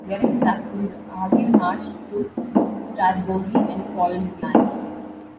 During his absence Argyll marched to Strathbogie and spoiled his lands.